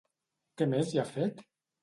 Què més hi ha fet?